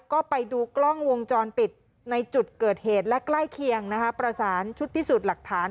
ก็ไปดูกล้องวงจรปิดในจุดเกิดเหตุและใกล้เคียงนะคะประสานชุดพิสูจน์หลักฐาน